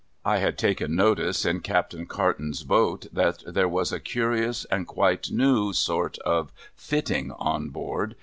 I had taken notice, in Captain Carton's boat, that there was a curious and quite new sort of fitting on board.